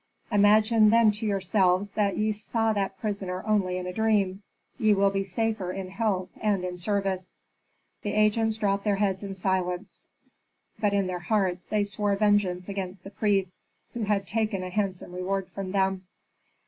Imagine then to yourselves that ye saw that prisoner only in a dream, ye will be safer in health and in service." The agents dropped their heads in silence. But in their hearts they swore vengeance against the priests, who had taken a handsome reward from them.